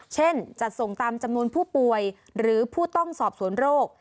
เช่นจัดส่งตามจำนวนผู้ป่วยหรือผู้ต้องสอบสวนโรค